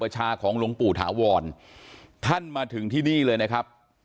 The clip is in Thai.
ใช่ค่ะ